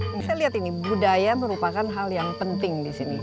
ini saya lihat ini budaya merupakan hal yang penting di sini